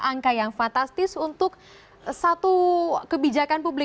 angka yang fantastis untuk satu kebijakan publik